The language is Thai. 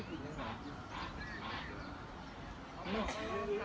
กลับมาเมื่อเวลาเมื่อเวลา